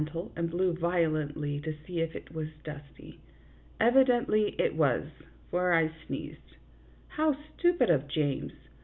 tel and blew violently to see if it was dusty ; evi dently it was, for I sneezed. How stupid of James